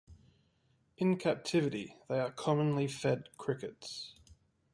In captivity, they are commonly fed crickets.